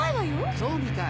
そうみたい。